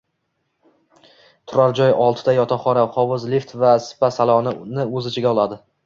Turar joy oltita yotoqxona, hovuz, lift va spa salonini o‘z ichiga oladi